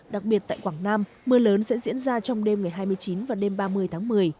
đặc biệt tại quảng nam mưa lớn sẽ diễn ra trong đêm ngày hai mươi chín và đêm ba mươi tháng một mươi